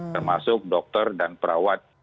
termasuk dokter dan perawat